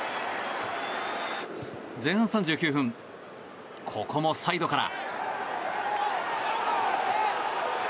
前半３９分ここもサイドから。